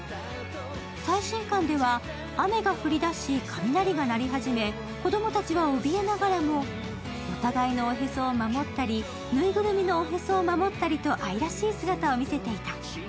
最新刊では雨が降りだし、雷が鳴り始め子供たちはおびえながらもお互いのおへそを守ったりぬいぐるみのおへそを守ったりと愛らしい姿を見せていた。